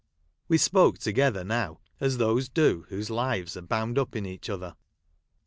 We spoke together now, as those do Avhose lives are bound up in each other.